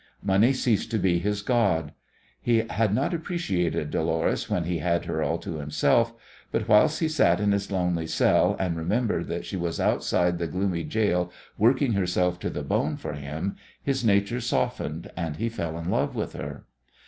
Money ceased to be his god. He had not appreciated Dolores when he had her all to himself, but whilst he sat in his lonely cell and remembered that she was outside the gloomy gaol working herself to the bone for him his nature softened, and he fell in love with her.